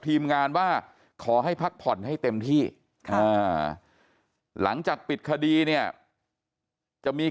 ทีมงานว่าขอให้พักผ่อนให้เต็มที่หลังจากปิดคดีเนี่ยจะมี